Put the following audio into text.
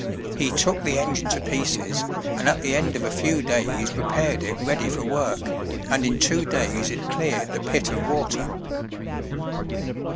He took the engine to pieces and at the end of a few days repaired it ready for work, and in two days it cleared the pit of water.